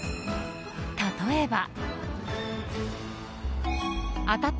例えば。